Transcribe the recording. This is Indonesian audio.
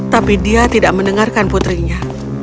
tapi dia tidak mendengarkan putrinya